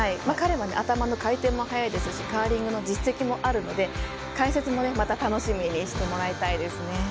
彼は頭の回転も速いですしカーリングの実績もあるので解説も楽しみにしてもらいたいですね。